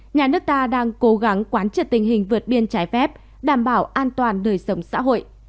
nhà nước ta đang cố gắng quán triệt tình hình vượt biên trái phép đảm bảo an toàn đời sống xã hội